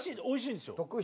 おいしいんですよ。